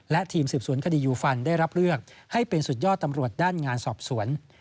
และทีมสืบสวนคดียูฟันได้รับเลือกให้เป็นสุดยอดตำรวจด้านงานสอบสวน